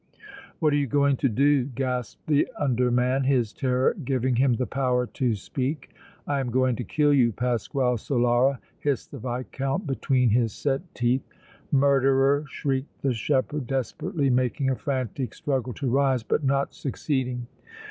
"What are you going to do?" gasped the under man, his terror giving him the power to speak. "I am going to kill you, Pasquale Solara!" hissed the Viscount, between his set teeth. "Murderer!" shrieked the shepherd, desperately, making a frantic struggle to rise, but not succeeding.